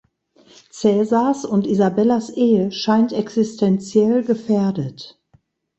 Cäsars und Isabellas Ehe scheint existenziell gefährdet.